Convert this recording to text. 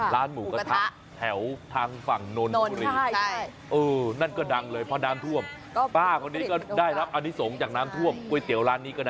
แล้วก็ดังเลย